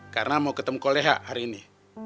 karena mau ketemu koleha hari ini